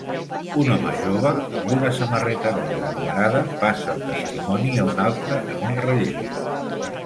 Un home jove amb una samarreta groga numerada passa el testimoni a un altre en un relleu.